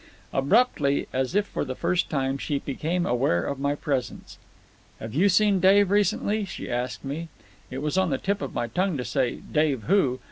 Abruptly, as if for the first time, she became aware of my presence. "Have you seen Dave recently?" she asked me. It was on the tip of my tongue to say "Dave who?"